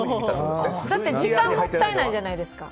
だって時間もったいないじゃないですか。